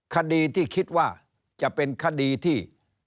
คดีที่คิดว่าจะเป็นคดีที่